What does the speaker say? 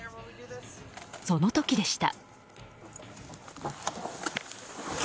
その時でした。